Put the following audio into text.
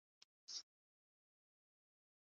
دغه راز یوه اتحاد د جوړولو ستونزې موجودې وې.